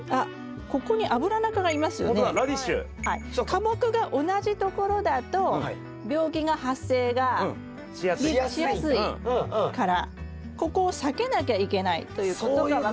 科目が同じところだと病気が発生がしやすいからここを避けなきゃいけないということが分かります。